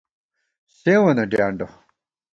سېوں وَنہ ڈیانڈہ